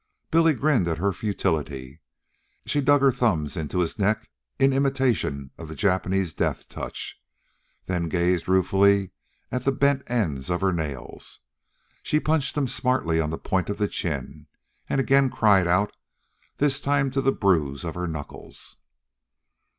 Billy grinned at her futility. She dug her thumbs into his neck in imitation of the Japanese death touch, then gazed ruefully at the bent ends of her nails. She punched him smartly on the point of the chin, and again cried out, this time to the bruise of her knuckles.